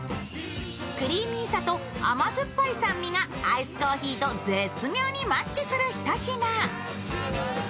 クリーミーさと甘酸っぱい酸味がアイスコーヒーと絶妙にマッチするひと品。